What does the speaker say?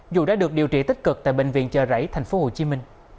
dù đã được điều trị tích cực tại bệnh viện chợ rẫy tp hcm